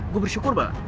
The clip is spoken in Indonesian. gue bersyukur mbak